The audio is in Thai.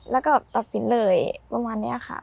แล้วก็ตัดสินเลยประมาณนี้ค่ะ